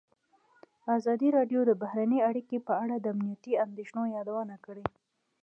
ازادي راډیو د بهرنۍ اړیکې په اړه د امنیتي اندېښنو یادونه کړې.